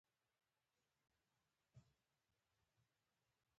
ننګرهار د افغانستان د جغرافیې بېلګه ده.